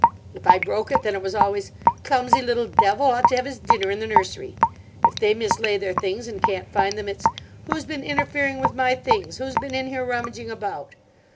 If I broke it, then it was always, 'Clumsy little devil! ought to have his dinner in the nursery.' If they mislay their things and can't find them, it's, 'Who's been interfering with my things? Who's been in here rummaging about?